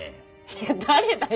いや誰だよ！